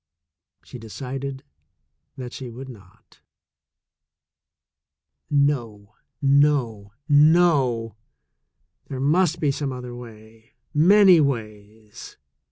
She decided that she would not. No, no, no! There must be some other way — many ways.